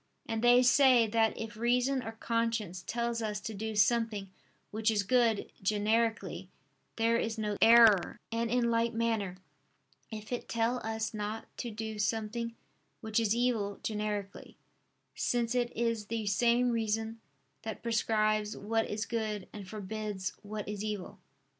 And they say that if reason or conscience tell us to do something which is good generically, there is no error: and in like manner if it tell us not to do something which is evil generically; since it is the same reason that prescribes what is good and forbids what is evil.